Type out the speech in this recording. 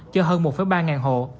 cho hơn một ba ngàn hộ